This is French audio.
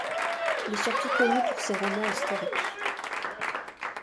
Elle est surtout connue pour ses romans historiques.